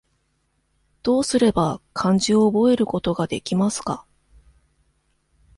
どうすれば、漢字を覚えることができますか。